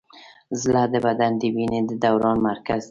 زړه د بدن د وینې د دوران مرکز دی.